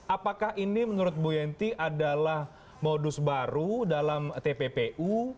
apakah ini menurut bu yenty adalah modus baru dalam tppu